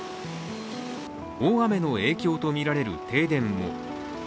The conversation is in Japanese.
大雨の影響とみられる停電も。